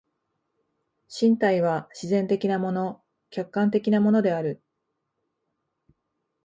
身体は自然的なもの、客観的なものである。